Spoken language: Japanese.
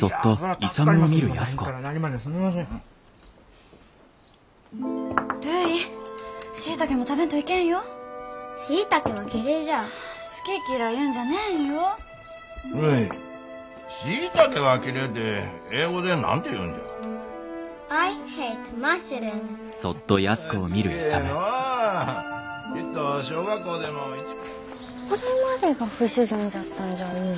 これまでが不自然じゃったんじゃ思うよ。